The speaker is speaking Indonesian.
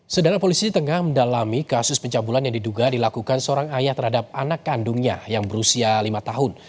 saudara polisi tengah mendalami kasus pencabulan yang diduga dilakukan seorang ayah terhadap anak kandungnya yang berusia lima tahun